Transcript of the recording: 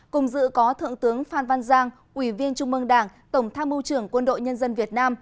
cùng dự có thượng tướng phan văn giang ủy viên trung mương đảng tổng tham mưu trưởng quân đội nhân dân việt nam